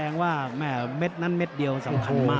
เพราะว่าเม็ดนั้นเม็ดเดียวสำคัญมาก